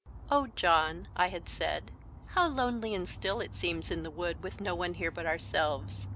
"Oh, John," I had said, "how lonely and still it seems in the wood with no one here but ourselves!